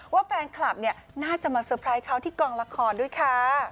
ว่าแฟนคลับเนี่ยน่าจะมาเตอร์ไพรส์เขาที่กองละครด้วยค่ะ